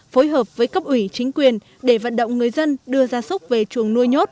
phối hợp với cấp ủy chính quyền để vận động người dân đưa gia súc về chuồng nuôi nhốt